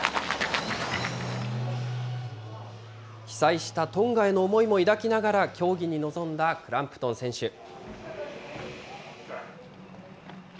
被災したトンガへの思いも抱きながら、競技に臨んだクランプトン選手。